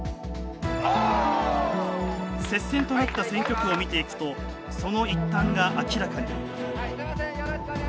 接戦となった選挙区を見ていくとその一端が明らかに。